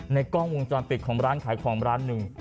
กล้องวงจรปิดของร้านขายของร้านหนึ่ง